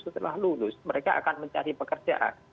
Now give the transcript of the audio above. setelah lulus mereka akan mencari pekerjaan